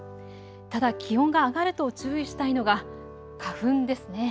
ただ気温が上がると注意したいのが花粉ですね。